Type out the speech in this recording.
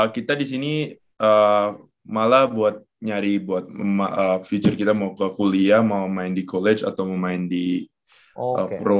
kita di sini malah buat nyari buat future kita mau ke kuliah mau main di college atau mau main di pro